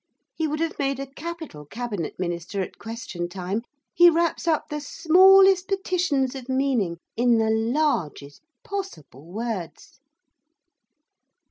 He would have made a capital cabinet minister at question time, he wraps up the smallest portions of meaning in the largest possible words.